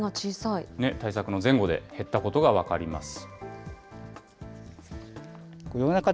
対策の前後で減ったことが分かります。